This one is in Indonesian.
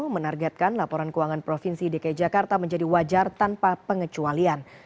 menargetkan laporan keuangan provinsi dki jakarta menjadi wajar tanpa pengecualian